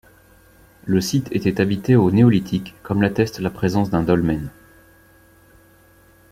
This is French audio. Le site était habité au néolithique comme l'atteste la présence d'un dolmen.